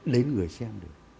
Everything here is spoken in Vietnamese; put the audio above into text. đến người xem được